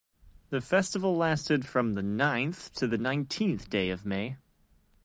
The festival lasted from the ninth to the nineteenth day of May.